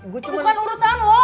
bukan urusan lo